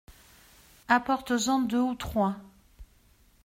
Apportes-en deux ou trois.